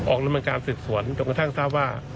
ออกนำเนินการศึกษวนนถึงกระทั่งทราบว่า